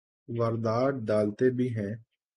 واردات ڈالتے بھی ہیں۔